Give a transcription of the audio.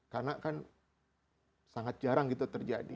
karena kan sangat jarang gitu terjadi